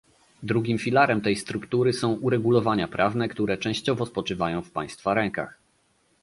Drugim filarem tej struktury są uregulowania prawne, które częściowo spoczywają w państwa rękach